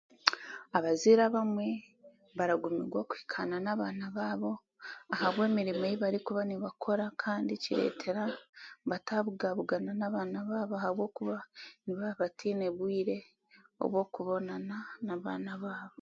Abazaire abamwe baragumirwa okuhikaana n'abaana baabo ahabw'emirimo eibarikuba nibakora kandi kireetera bataabugabugana n'abaana baabo ahabwokuba nibaabataine bwire obw'okubonana n'abaana baabo